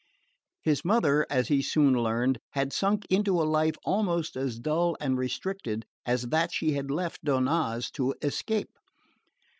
His mother, as he soon learned, had sunk into a life almost as dull and restricted as that she had left Donnaz to escape.